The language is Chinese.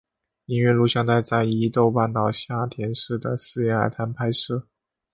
音乐录影带在伊豆半岛下田市的私人海滩拍摄。